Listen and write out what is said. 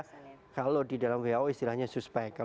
sehingga kalau di dalam who istilahnya suspek